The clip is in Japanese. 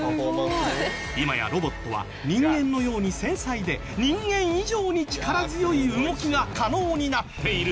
今やロボットは人間のように繊細で人間以上に力強い動きが可能になっている。